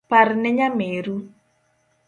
Parne nyameru